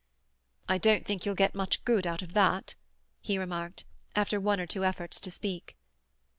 "I don't think you'll get much good out of that," he remarked, after one or two efforts to speak.